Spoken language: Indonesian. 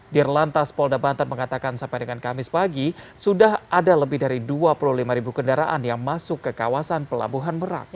dirlantas polda banten mengatakan sampai dengan kamis pagi sudah ada lebih dari dua puluh lima ribu kendaraan yang masuk ke kawasan pelabuhan merak